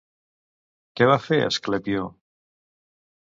Què va fer Asclepió?